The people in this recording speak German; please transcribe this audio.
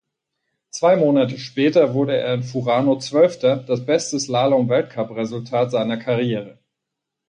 Zwei Monate später wurde er in Furano Zwölfter, das beste Slalom-Weltcupresultat seiner Karriere.